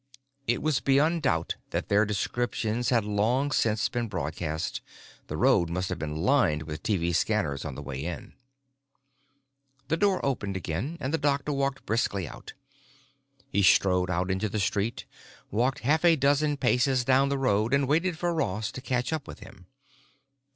It was beyond doubt that their descriptions had long since been broadcast; the road must have been lined with TV scanners on the way in. The door opened again, and the doctor walked briskly out. He strode out into the street, walked half a dozen paces down the road, and waited for Ross to catch up with him.